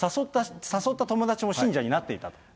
誘った友達も信者になっていたと。